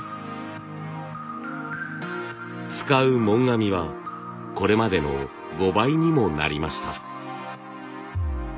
使う紋紙はこれまでの５倍にもなりました。